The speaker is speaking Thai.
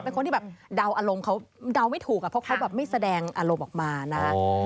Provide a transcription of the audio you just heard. เป็นคนที่แบบเดาอารมณ์เขาเดาไม่ถูกเพราะเขาแบบไม่แสดงอารมณ์ออกมานะ